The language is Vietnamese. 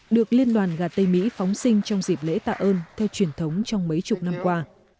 được liên đoàn gà tây mỹ phóng sinh trong dịp lễ tạ ơn theo truyền thống trong mấy chục năm qua